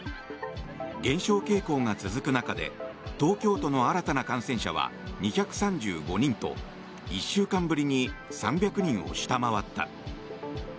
減少傾向が続く中で東京都の新たな感染者は２３５人と１週間ぶりに３００人を下回った。